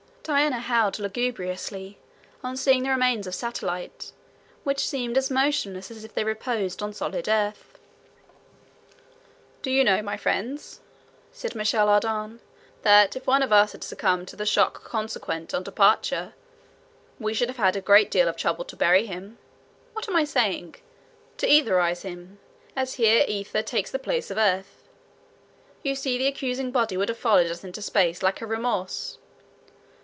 Diana howled lugubriously on seeing the remains of Satellite, which seemed as motionless as if they reposed on solid earth. "Do you know, my friends," said Michel Ardan, "that if one of us had succumbed to the shock consequent on departure, we should have had a great deal of trouble to bury him? What am I saying? to etherize him, as here ether takes the place of earth. You see the accusing body would have followed us into space like a remorse."